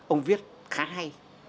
ông viết khá hay